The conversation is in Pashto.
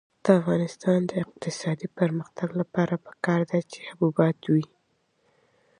د افغانستان د اقتصادي پرمختګ لپاره پکار ده چې حبوبات وي.